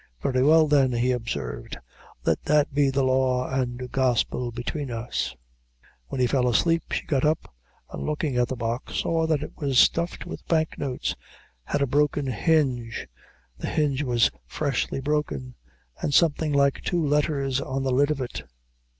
"Very well, then," he observed "let that be the law and gospel between us." When he fell asleep, she got up, and looking at the box, saw that it was stuffed with bank notes, had a broken hinge the hinge was freshly broken and something like two letters on the lid of it.